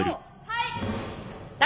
はい！